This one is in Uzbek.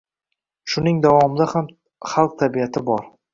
Shuning davomida ham xalq tabiati bor.